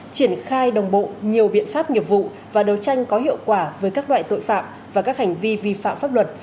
triển khai đồng bộ nhiều biện pháp nghiệp vụ và đấu tranh có hiệu quả với các loại tội phạm và các hành vi vi phạm pháp luật